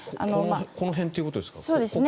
この辺ということですか？